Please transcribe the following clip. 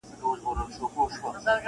هره ورځ به يې و غلا ته هڅولم-